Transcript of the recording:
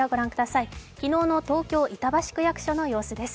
昨日の東京・板橋区役所の様子です